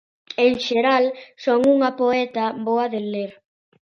En xeral son unha poeta boa de ler.